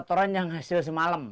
kotoran yang hasil semalam